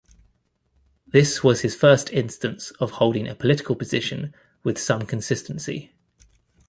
This was his first instance of holding a political position with some consistency.